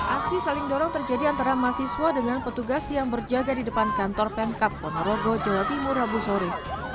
aksi saling dorong terjadi antara mahasiswa dengan petugas yang berjaga di depan kantor pemkap ponorogo jawa timur rabu sore